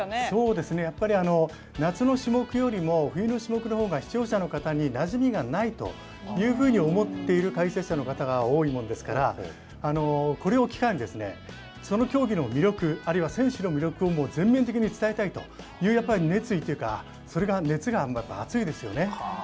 そうですね、やっぱり夏の種目よりも、冬の種目のほうが視聴者の方になじみがないというふうに思っている解説者の方が多いもんですから、これを機会に、その競技の魅力、あるいは選手の魅力を全面的に伝えたいという、やっぱり熱意というか、それが、熱が熱いですよね。